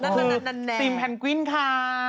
คือซิมแพนกวิ้นค่า